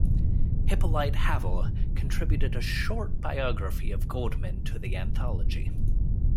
Hippolyte Havel contributed a short biography of Goldman to the anthology.